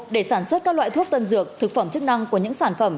để sản xuất các loại thuốc tân dược thực phẩm chức năng của những sản phẩm